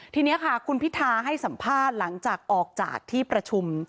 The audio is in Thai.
ทีนี้ค่ะคุณพิทาให้สัมภาษณ์หลังจากออกจากที่ประชุม